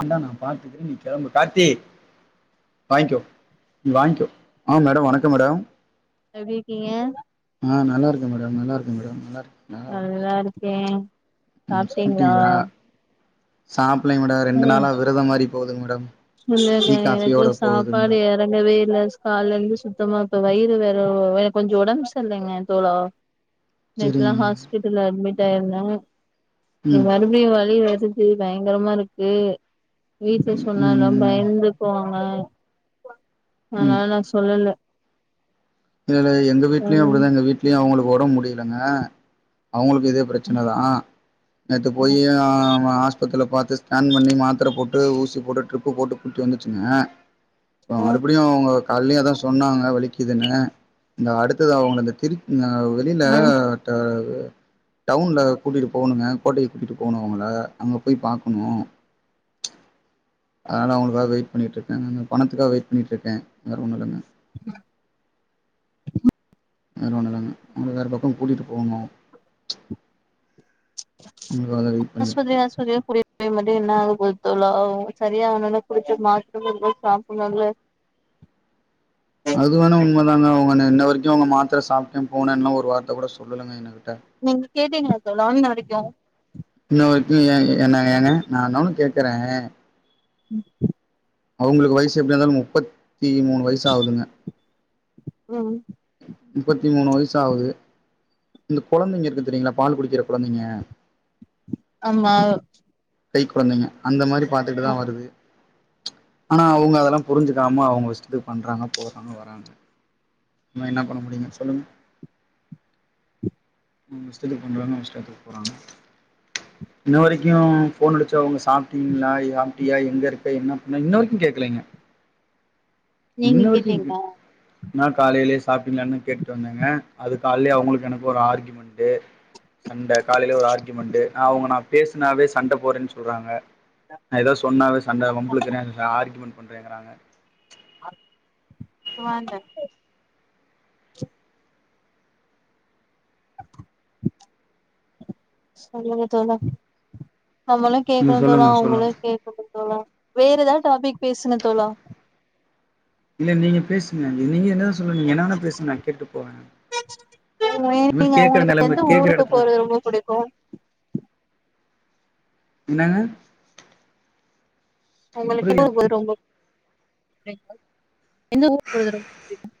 அந்தா நா பாத்துக்கிற நீ கெளம்பு காத்தி வாய்ங்க்கோ நீ வாய்ங்க்கோ ஆ மேட வணக்க மேடம் எப்டி இருக்கீங்க ஆ நல்லா இருக்க மேடம் நல்லா இருக்க மேடம் நல்லா இரு நல்லாருக்கே ம் சாப்ட்டீங்ளா சாப்லேங்க மேட ரெண்டு ம் நாளா விரத மாரி போதுங் மேடம் இல்லங்க டீ எனக்கு காஃபியோட போகுது சாப்பாடு மேடம் எறங்கவே இல்ல கால்லர்ந்து சுத் தமா இப்ப வயிறு வேற வயிற் கொஞ்சோ ஒடம் செர்லங்க தோழா நேத்து தா சரிங்க ஹாஸ்பிட்டல்ல அட்மிட் ஆயிருந்தோ ம் மறுபடியு வழி வச்சிட் து பயங்கரமாருக்கு வீட்ல ம் சொன்னாலு பயந்துக் வாங்க அனால நா சொல்லல இதே மாரி எங்க வீட்லயு ம் அப்டிதாங்க வீட்லயு அவுங்களுக் ஒடம் முடியலங்க அவுங்களுக்கு இதே பிரச்சன தா நேத்து போயி ம் ஆ ஆஸ் பக்கத்துல பாத்து ஸ்கேன் பண்ணி மாத்தர போட்டு ஊசி போட்டு ட்ரிப்பு போட்டு கூட்டி வந்துச்சுங்க இப்ப மறுபடியு அவுங்க கால்லயு அதா சொன்னாங்க வலிக்குதுன்னு இந்த அடுத்தது அவுங்க அந்த திருப் அ வெளியில ம் ட டவுன்ல கூட்டிட்டு போவுணுங்க கோட்டைய கூட்டிட்டு போனு அவுங்கள அங்க போய் பாக்கணு அதனால அவுங்களுக்காக வெயிட் பண்ணிட்ருக்கே நானு பணத்துக்காக வெயிட் பண்ணிட்ருக்கே வேற ஒன்னு இல்லங்க [inaudible] வேற ஒன்னுல்லங்க அவுங்களுக் வேற பக்கோ கூட்டிட்டு போவுணு ஆஸ்பத்திரி ஆஸ்பத்திரியா கூட்டி நீ மட்டு என்னாக போகுது தோழா செரி ஆவனுனா குடிச்சு மாத்திரைகள் சாப்புனு அதுல [inaudible] அது வேனா உண்ம தாங்க அவங்க இன்னை வரைக்கு அவங்க மாத்திர சாப்ட்டே போனும்லா ஒரு வார்த்த கூட சொல்லலங்க எனக்கு நீங்க கேட்டீங்களா தோழா இன்ன வரைக்கு இன்னவரைக்கு எ என்ன ஏங்க நா இன்னொன்னு கேக்குறே ம் அவங்களுக்கு வயசு எப்டி இருந்தாலு முப்பத்தி மூணு வயசாகுதுங்க ம் முப்பத்தி மூணு வயச ஆகுது இந்த குழந்தைங்க இருக்கு தெரியீங்களா பால் குடிக்கிற குழந்தைங்க ஆமா கை கொழந்தைங்க அந்த மாரி பாத்துட்டுதா வருது ஆனா அவங்க அதெல்லா புரிஞ்சுக்காம அவங்க இஷ்டத்துக்கு பண்றாங்க போறாங்க வராங்க நாம என்ன பண்ண முடியுங்க சொல்லுங்க அவங்க இஷ்டத்துக்கு பண்றாங்க இஷ்டத்துக்கு போறாங்க இன்ன வரைக்கு போன்அடுச்சு அவங்க சாப்பிட்டீங்களா சாப்டியா எங்க இருப்ப என்ன பண்ண இன்ன வரைக்கு கேட்கலிங்க [inaudible] நீங்க கேட்டீங்களா நா காலையிலேயே சாப்டிங்களா னு கேட்டுட்டு வந்தேங்க அது காலலயே அவங்களுக்கு எனக்கு ஒரு ஆர்கயுமெண்ட் சண்டை காலையில ஒரு ஆர்கயுமெண்ட்டு அவங்க நா பேசனாவே சண்டை போறேன்னு சொல்றாங்கா நா ஏதாது சொன்னாவே சண்ட வம்பிளுக்குரே ஆர்கியுமெண்ட் பண்றேங்கறாங்க சுவாந்த சொல்லுங்க தோழா நம்மளு நீங்க கேக்கணு தோழா சொல்லுங்க சொல்லுங்க அவங்களு கேக்கணு வேற ஏதாவது டாபிக் பேசுங்க தோழா இல்ல நீங்க பேசுங்க நீங்க என்ன சொல்லு நீங்க என்ன வேணா பேசுங்க நா கேட்டு போவே நீங்க உங்களுக்கு எந்து ஊருக்கு எடத்துல போறது ரொம்ப புடிக்கு என்னாங்க உங்களுக்கு எ ரொம்ப [inaudible] எந்த ஊரு போறது ரொம்ப புடிக்கும்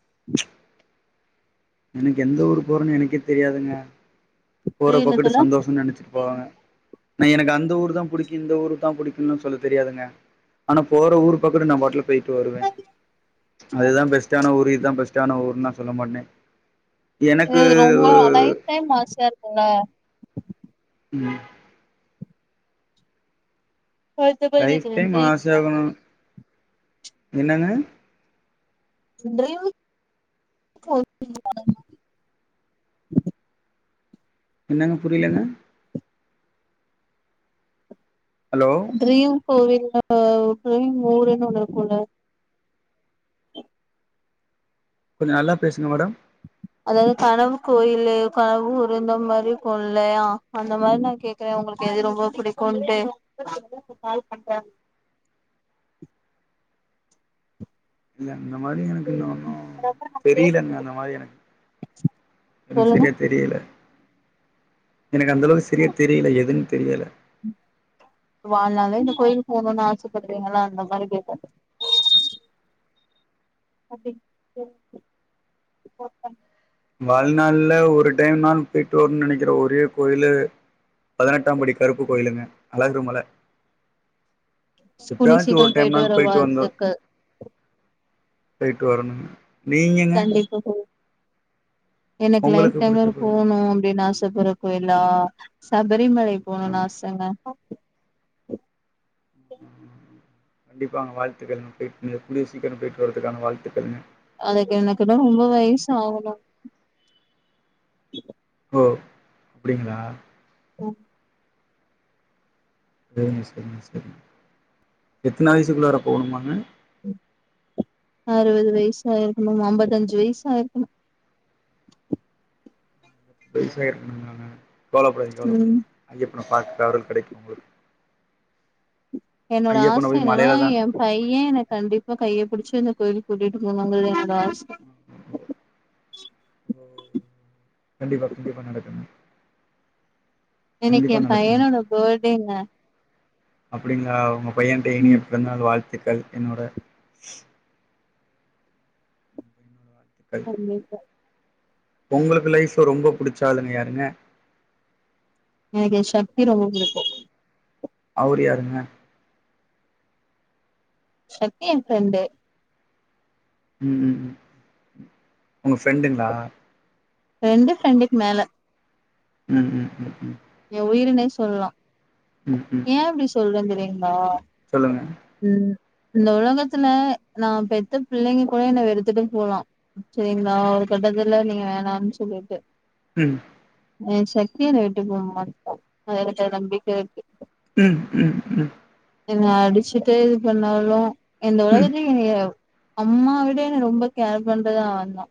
[inaudible] எனக்கு எந்த ஊர் போறன்னு எனக்கே தெரியாதுங்க போற புரியல பக்கட்டு தோழா சந்தோஷம்னு நெனைச்சி போவாங்க ந எனக்கு அந்த ஊர் தா புடிக்கு இந்த ஊரு தா புடிக்கும்னு சொல்ல தெரியாதுங்க ஆனா போற ஊரு பக்கட்டு நா பாட்ல போய்ட் டு வருவே அதுதா பெஸ்ட்டான ஊர் இதுதா பெஸ்ட்டான ஊர்னா சொல்ல மாட்டே ஏ ரொம்ப லைஃப் டைம் ஆசையா இருக்குல்ல ம் அடுத்த போய் லைஃப் கேக்குறே. டைம் ட்ரீம் ஆச ஆகணு என்னங்க [unintelligible] என்னங்க புரியலங்க ஹலோ ட்ரியு கோவில்ல [unintelligible] ஊருன்னு ஒண்ணு இருக்கும்ல கொஞ்ச நல்லா பேசுங்க மேடம் அதாவது கனவு கோயிலு கனவு ஊரு மாதிரி இருக்குலையா அந்த மாரி நா கேக்குறே உங்க காது எது ரொம்ப பிடிக்கும்ன்ட்டு [inaudible] இல்ல இந்த மாரி எனக்கு இன்ன ஒன்னு தெரியலங்க அந்த மாரி எனக்கு ம் சொல்லுங்க சரியா தெரியல எனக்கு அந்தளவுக்கு சரிய தெரியல எதுன்னு தெரியல ம் வாழலால்ல இந்த கோயிலுக்கு போணுன்னு ஆசைப்படுறீங்களா அந்த மாரி கேக்கற அப்டி டி சரி போ வாழ்நாள்ல ஒரு டைம் நாள் போயிட்டு வரும்ன்னு நெனைக்கிற ஒரே கோயிலு பதினெட்டாம் படி கருப்பு கோயிலுங்க அழகுரு மல கூடிய எப்பயாச்சு சீக்கிரோ ஒரு டைம் நாளு வர போயிட்டு வந்துரு வாழ்த்துக்கள் போய்ட்டு வரணு கண்டிப்பா எனக்கு லைப் உங்களுக்கு டைம்ல புடிச்ச கோயில் போகணு அப்டின்னு ஆசப்பட்ற கோயிலா சபரி ரிமலை ஆ போணுனு ஆசங்க கண்டிப்பாங்க வாழ்த்துக்கள் போயி கூடிய சீக்கிரம் போயிட்டு வர்றதுக்கான வாழ்த்துக்கள்ங்க அதுக்கு எனக்கு தா ரொம்ப வயசு ஆகணு அப்டிங்ளா ம் செரிங்க செரிங்க செரிங்க எத்தன வயசுக்குள்ளறா போகணுமாங்க அறுபது வயசாயிருக்கணு அம்பத்தஞ்சு வயசாயிருக்கணு வயசாயிருக்கனுமாங்க கவலப்படாதிங் ம் கவலப்படாதிங்க அவர பாக்குற அருள் கிடைக்கு உங்ளுக்கு என்னோட ஆச என்னன்னா மலையில ஏ பைய எனக்கு கண்டிப்பா கைய புடிச்சு வந்து கோயிலுக்கு கூட்டிட்டு போணுன்றது கண்டிப்பா கண்டிப்பா நடக்குங்க இன்னிக்கு கண்டிப்பா ஏ நடக்குங்க. பையனோட பேர்த்டேங்க அப்டிங்களா உங்க பையன்ட இனிய பிறந்தாள் வாழ்த்துக்கள் என்னோட உங்க பையனோட வாழ்த்துக்கள். கண்டிப்பா உங்களுக்கு லைஃப் ரொம்ப புடிச்சாலுன்னு யாருங்க எனக்கு ஏ சக்தி ரொம்ப புடிக்கு அவர் யாருங்க சக்தி ஏ ஃப்ரெண்டு ம் ம் ம் உங்க ஃப்ரெண்டுங்ளா ஃப்ரெண்டு ஃப்ரெண்டுக்கு மேல ம் ம் ம் ம் ஏ உயிருனே சொல்லலா ம், ம். ஏ இப்டி சொல்ற தெரியுங்ளா சொல்லுங்க இந்த உலகத்துல நா பெத்த பிள்ளிங்க கூட என்ன வெருத்துட்டு போலா செரிங்ளா ஒரு கட்டத்துல நீங்க வேணான்னு சொல்லிட்டு ம் ஏ சக்கி என்ன விட்டு போகமாட்டா அது எனக்கு நம்பிக்க ம் ம் ம் என்ன அடிச்சுட்டு இது பண்ணாலு இந்த ம், உலகத்துலயே என்னய அம்மா விட ரொம்ப கேர் பண்றது அவன் தா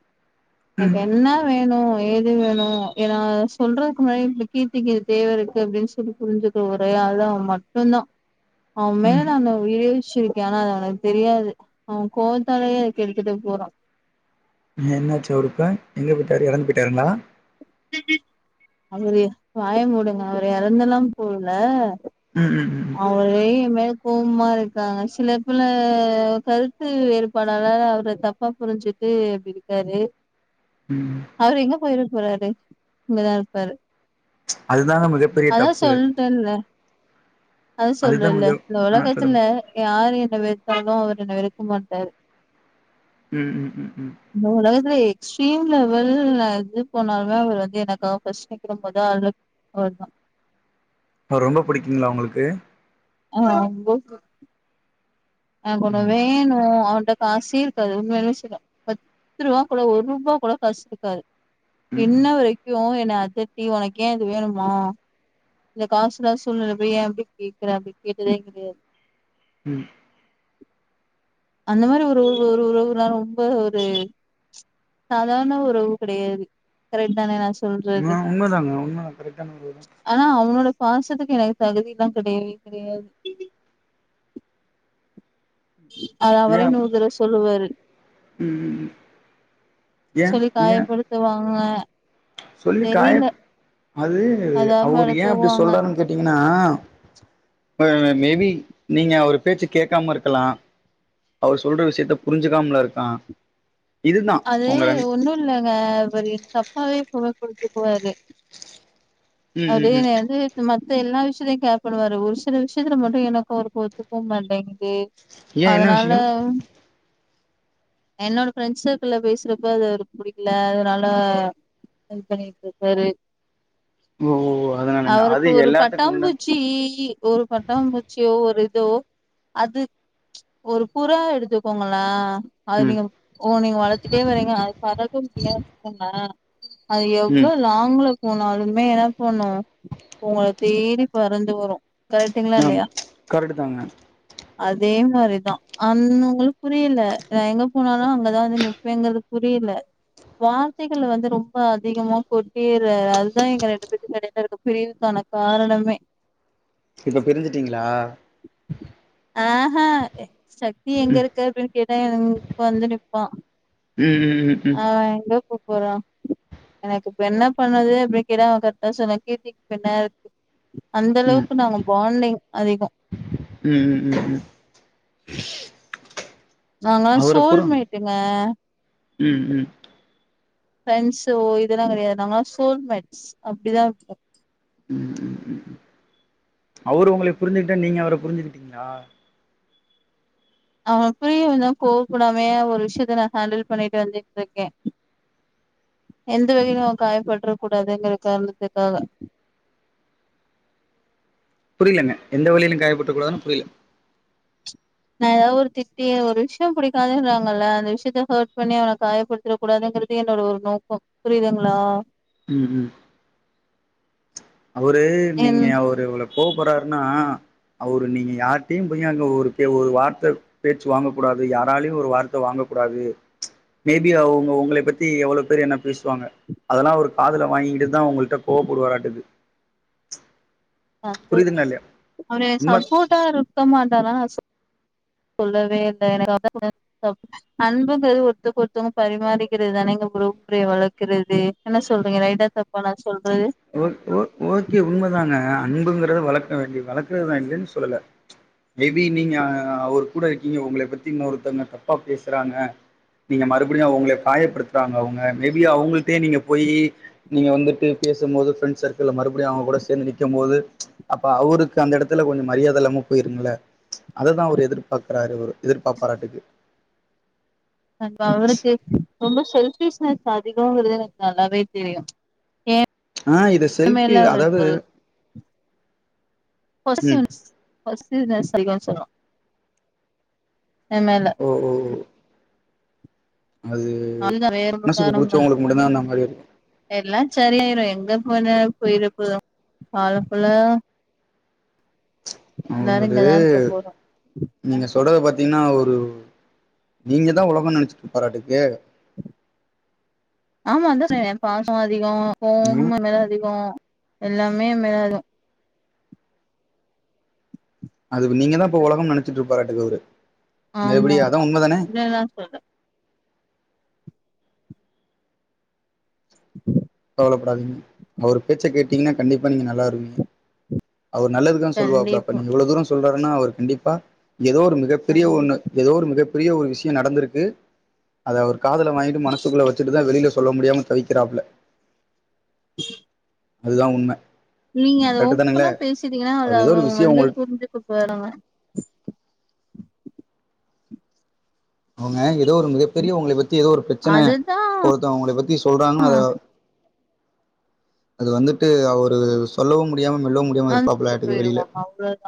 ம், எனக்கு ம். என்ன வேணு ஏது வேணு ஏன்னா சொல்றதுக்கு முன்ன இ கீர்த்திக்கு இது தேவ இருக்கு அப்டின்னு சொல்லி புரிஞ்சு ஒரே ஆளு அவ மட்டுதா அவன் மேல நா உயிரே வெச் ஆனா அது அவனக்கு தெரியாது அவன் கோபத்தாலேயே கெடுத்துட்டு போறா நீ என்னாச்சா அவருக்கு எங்க போய்ட்டாரு இறந்து போய்ட்டாருங்ளா அவரு வாய மூடுங்க அவரு எறந்தெல்லா போலே ம், ம், ம், அவரு ஏ மேல கோவ்மா இருக்காங்க சில பல கருத்து வேறுபாடாள அவர தப்பா புரிஞ்சுட்டு ட்டு அப்டி இருக்காரு ம். ம். அவரு எங்க போயிரு போறாரு இங்கதா இருப்பாரு அதுதாங்க மிகப்பெரிய அதா தப்பு. சொல்ட்டேன்லே அது அதுதான் சொல்றேல்ல மிக இந்த ஆ சொல்லுங்க. உலக்கத்துல யாரு என்ன வெரு த்தாலு அவரு என்ன வெருக்க மாட்டாரு ம் ம் ம் ம் ஸ்ட்ரீம் லெவல் எது போனாலுமே அவர் வந்து எனக்காக பர்ஸ்ட் [unintelligible] அவர் தா அவ்ர ரொம்ப புடிக்குங்ளா உங்களுக்கு அ ரொம்ப [unintelligible] ஆ கொஞ்ச ம், வேணு அவன்ட காசு இருக்காது உண்மையாவே சொல்ற பத் பத்துருவா கூட ஒரூபா கூட காசிருக்காது ம், ம், இன்ன வெரைக்கு என்ன அதட்டி உனக் ஏ இது வேணுமா இந்த காசுல்லாத சூழ்நிலப்ப ஏ இப்டி கேக்குறே அப்டி கேட்டுதே கெடையாது ம் அந்த மாரி ஒரு ஒரு ஒரு ஒரு ஒரு [unintelligible] ரொம்ப ஒரு சாதார்ண உறவு கிடையாது கரெட் தான நா சொ அ உண்மதாங்க உண்மதா கரெக்டான உறவு தா ஆனா அவனோட பாசத்துக்கு எனக்கு தகுதில்லா கெடயாவே கெடயாது அத இதா அவரே நூறு ஏ தடவ சொல்லுவாரு ம் ம் ம் ஏ சொல்லி ஏ காயப்படுத்துவாங்க சொல்லி தெரியல காயப் அது அவுரு ஏ அப்டி அதாவப்படுத்துவாங்க சொல்றாருன் கேட்டீங்ன்னா அ மேபி நீங்க அவுரு பேச்சு கேக்காம இருக்கலா அவுரு சொல்ற விஷியத்த புரிஞ்சுக்காம்ல இருக்லா அது ஒன்னு இல்லங்க அவரு தப்பாவே [unintelligible] புரிஞ்சுக்வாரு ம் அது ம் ம் நா வந்து சும்மா மத்த எல்லா விஷ்யத்ல்யு கேர் பண்ணுவாரு ஒரு சில விஷ்யத்துல மட்டு எனக்கு அவுருக்கோ ஒத்து போ மாட்டேங்கிது ஏ என்ன அதனால விஷயோ என்னோட ஃப்ரெண்ஸு ல பேசுறப்ப அது அவுருக் புடிக்கில அதனால இது பண்ணிட்ருக்காரு ஒ ஒ அவருக்கு ஒரு பட்டாம்பூச்சீ ஒரு பட்டாம்பூச்சியோ ஒரு தோ அது ஒரு புறா எடுத்துக்கோங்களா அது ம் நீங்க ஒ நீங்க வளத்துட்டே வரீங்க அது பறக்க முடியாம் போனா அது எவ்ளோ ம் லாங்ல போனாலுமே என பண்ணு உங்களுக் தேடி பறந்து வரு கரெக்டுங்களா அ ம் இல்லையா கரெட்டு தாங்க அதே மாரி தா அன்னு உங்குளுக் புரியில நா எங்க போனாலு அங்கதா வந்து நிப் எங்களுக் புரியில வார்த்தைகள் வந்து ரொம்ப அதிகமா கொட்டி அது அதுதா எங்க ரெண்டு பேதுக்கு எடையில ருக்க பிரிவுக்கான அ காரணமே இப்ப பிரிஞ்சிட்டீங்ளா அ ஹ சக்தி ம் எங்கருக்க அப்டின் கேட்டா எங் வந்து நிப்பா ம் ம் ம் ம் அப்பறோ எனக்கிப்ப என்ன பண்ணது அப்டின் கேட்டா அவ கர்டா சொன்னா கீர்த்திக் ஃப்ரெண்டா இருக்கு அந்த ம் அளவுக்கு நாங்க பாண்டிங் அதிகோ ம் ம் ம் ம் நாங்கெல்லா அவர புரு சோல்மேட்டுங்க ம் ம் ஃப்ரெண்ஸோ இதெல்லா கெடையாது நாங்கெல்லா சோல்மேட்ஸ் அப்டிதாருப்போ ம் ம் ம் ம் அவுரு உங்களை புரிஞ்சுகிட்ட நீங்க அவர புரிஞ்சுக்கிட்டீங்ளா அவனுக் புரியுனுன் தா கோவப்படாம்யே ஒரு விஷ்யத்த நா ஹேண்டில் பண்ணிட்டு வந்துட்ருக்கே எந்த வகைல்யு அவே காயப்பட்றக் கூடாதுங்கிற கார்ணத்துக்காக புரிலென்ன எந்த வழியிலு காயப்பட்றக் கூடாதுன்னா புரில நா எதாவ் ஒரு திட்டி ஒரு விஷ்யோ புடிக்காதுன்றாங்கல்ல அந்த விஷ்யத்த ஹேட் பண்ணி அவன காயப்படுத்திட கூடாது ங்கிறது என்னோட ஒரு நோக்கோ புரிதுங்ளா ம் ம் அவரு என் நீங்க அவரு அவள கோவப்படுறாருன்னா அவரு நீங்க யார்ட்டயு போய் அங்க ஒரு ஒரு வார்த்த பேச்சு வாங்கக் கூடாது யாராலயு ஒரு வார்த்த வாங்க கூடாது மே பி அவுங்க உங்களப் பத்தி எவ்ளோ பேர் என்னா பேசுவாங்க அதெல்லா அவருக்கு காதுல வாங்கி கிட்டுதா உங்கள்ட கோவப்படு வாரட்டுக்கு அது புரியுதுங்களா இல்லையா அவரு உண்ம சப்போட்டா இருக்கமாட்டாரு ஆனா ஸ் சொல்லவே இல்ல எனக்கு [inaudible] அன்புங்கிறது ஒருத்தருக்கு ஒருத்தவங்க பரிமாறிக்கிறது தானங்க ரூப்ரே வளக்கறது என்ன சொல்றீங்க ரைட்டா தப்பா நா சொல் ஓக் ஓக் ஓகே உண்மதாங்க அன்புங்க அன்புகிறது வளக்க வேண்டியது வளக்கறதா இல்லைன்னு சொல்லல மே பீ நீங்க அ அவரு கூட இருக்கீங்க உங்கள பத்தி இன்னொருத்தவங்க தப்பா பேசுறாங்க நீங்க மறுபடியு அவங்கள காயப்படுத்துறாங்க அவுங்க மே பி அவுங்கள்ட்டே நீங்க போயி நீங்க வந்துட்டு பேசும்போது பிரெண்ட் சர்க்கிள்ல மறுபடியு அவுங்க கூட சேந்து நிக்கு போது அப்ப அவருக்கு அந்த எடத்துல கொஞ்சோ மரியாத இல்லாம போயிருங்கள அததா அவரு எதிர்பாக்குறாரு அவரு எதிர்பாப்பாராட்டுக்கு அங்க அவருக்கு ரொம்ப செல்பிஷ்னஸ் அதிகங்கிறது எனக்கு நல்லாவே தெரியு ஏ ஆ இது நம்ம செல்ஃபி எல்லா அவருக்கு அதாவது ஒரு ம் பொசசிவ்னஸ் பொஸசிவ்னஸ்னு தா சொல்லணு ஓ ஓ அது அந்த வேற ஒரு மனசுக்கு காரணமு இல்ல புடிச்சவங்களுக்கு மட்டுந்தா அந்த மாரி இருக்கு எல்லா சரியாயிரு எங் எங்க போன போயிரப் போது காலம் ஃபுல்லா எல்லாரு அவங்கது இங்கதா இருக்க போறோ நீங்க சொல்றத பாத் பாத்தீங்கன்னா ஒரு நீங்க தா உலகம்ன்னு நெனைச்சிட்டு இருப்பாராட்டுக்கு ஆமா அதா சொன்னே பாசோ அதிகோ ம் கோவமு மேல அதிகோ எல்லாமே மேலு அதுக்கு நீங்க தா இப்ப ஒலகம்னு நெனைச்சிட்ருப்பாரட்டுக்கு அவரு ஆமா மறுபடியு அதா ஆமா உண்மதான இல்லல்லா சொல்ல கவலப்படாதீங்க அவரு பேச்ச கேட்டீங்கன்னா கண்டிப்பா நீங்க நல்லா வருவீங்க அவரு நல்லதுக்கு தா சொல்லுவாப்ல அப்ப கண்டிப்பா நீங்க இவ்ளோ தூரோ சொல்ற அப்பன்னா அவரு கண்டிப்பா ஏதோ ஒரு மிகப்பெரிய ஒன்னு ஏதோ ஒரு மிகப்பெரிய ஒரு விஷயோ நடந்திருக்கு அத அவர் காதுல வாங்கீட்டு மனசுக்குள்ள வச்சுட்டுதா வெளில சொல்ல முடியாம தவிக்கிறாப்ல அதுதா உண்ம நீங்க அத கரெக்ட்டு தானுங்களே ஓப்பனா பேசிட்டீங்கன்னா அத அவர் ஏதோ ஒரு அவங்க விஷயோ வந்து உங்கள் புரிஞ்சிக்க போறாங்க அவுங்க ஏதோ ஒரு மிகப்பெரிய உங்கள பத் தி ஏதோ ஒரு பிரச்சன அதுதா இப்ப ஒருத்தவங்க அவங்கள பத்தி சொல்றாங்கன்னு அத அத வந்துட்டு அவரு சொல்லவு முடி டியாம மெல்லவு முடியாம அ இருப்பாப்ளையாட்டுக்கு வெளில போயிருவாங்க அவ்ளோதா